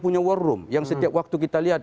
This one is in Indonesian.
punya war room yang setiap waktu kita lihat